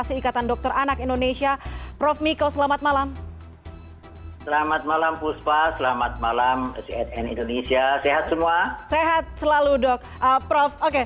sehat selalu dok